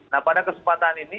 nah pada kesempatan ini